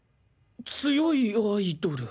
強いアイドル？